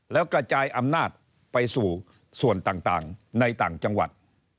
แล้วกระจายอำนาจไปสู่ส่วนต่างในต่างจังหวัด